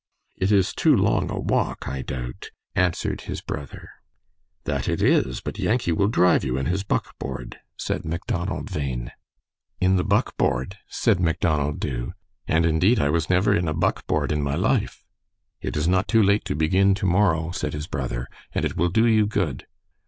"It is too long a walk, I doubt," answered his brother. "That it is, but Yankee will drive you in his buckboard," said Macdonald Bhain. "In the buckboard?" said Macdonald Dubh. "And, indeed, I was never in a buckboard in my life." "It is not too late to begin to morrow," said his brother, "and it will do you good."